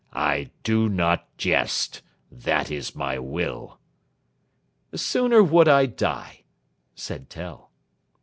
"I do not jest. That is my will." "Sooner would I die," said Tell.